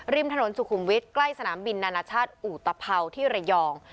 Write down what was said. ริมถนนสุขุมวิทย์ใกล้สนามบินนานาชาติอุตภัวที่ระยอง